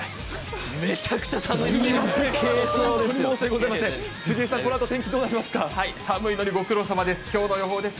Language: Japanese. めちゃくちゃ寒いです。